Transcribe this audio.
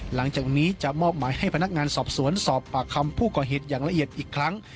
หลังจากนี้จะมอบหมายให้พนักงานสอบสวนสอบปากคำผู้ก่อเหตุอย่างละเอียดอีกครั้ง